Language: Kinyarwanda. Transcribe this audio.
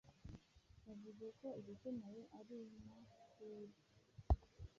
Yavuze ko igikenewe ari ina wibye.